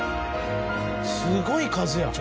すごい数やん。